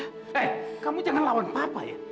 eh kamu jangan lawan papa ya